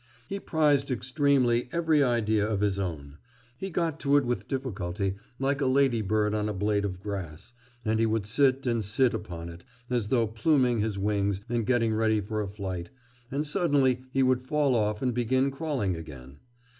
He prized extremely every idea of his own. He got to it with difficulty, like a ladybird on a blade of grass, and he would sit and sit upon it, as though pluming his wings and getting ready for a flight, and suddenly he would fall off and begin crawling again....